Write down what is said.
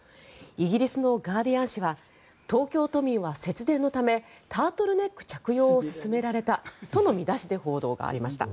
イギリスのガーディアン紙は東京都民は節電のためタートルネック着用を勧められたとの見出しで報道がありました。